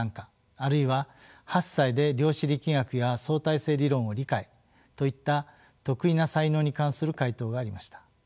あるいは８歳で量子力学や相対性理論を理解といった特異な才能に関する回答がありました。